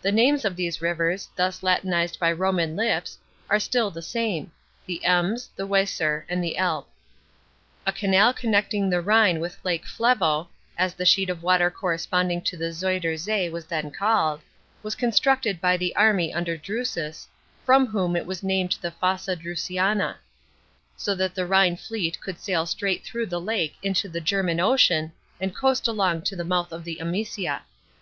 The names of these rivers, thus Latinized by Roman lips, are still the same: the Ems, the Weser, and the Elbe. A canal connecting the Rhine with Lake Fievo (as the sheet of water corresponding to the Zuyder Zee was then called) was constructed by the army under Drusns, from whom it was named the Fossa Drusiana; so that the Hhine fleet could sail straight through the Lake into the German Ocean and coast along to the mouth of the Amisia.